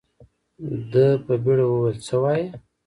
ده په بيړه وويل څه وايې.